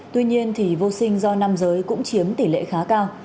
tuy nhiên thì vô sinh do nam giới cũng chiếm tỷ lệ khá cao